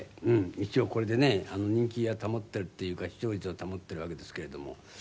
一応これでね人気は保っているっていうか視聴率を保っているわけですけれども。